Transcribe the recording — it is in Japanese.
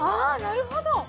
あぁなるほど！